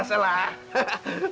enggak ada masalah